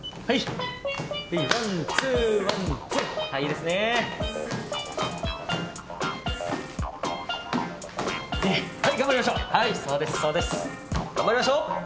はいはい頑張りましょう！